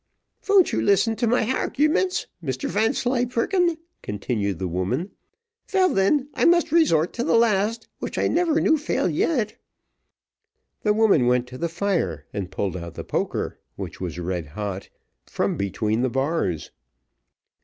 "Von't you listen to my harguments, Mr Vanslyperken?" continued the woman. "Vell, then, I must resort to the last, which I never knew fail yet." The woman went to the fire and pulled out the poker, which was red hot, from between the bars.